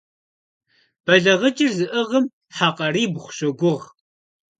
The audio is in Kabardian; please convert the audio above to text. БэлагъыкӀыр зыӀыгъым хьэ къарибгъу щогугъ.